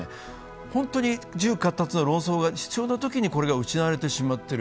本当に自由闊達な論争が必要なときにこれが失われてしまっている。